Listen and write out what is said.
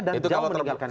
dan jauh meninggalkan ini